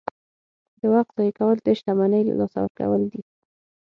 • د وخت ضایع کول د شتمنۍ له لاسه ورکول دي.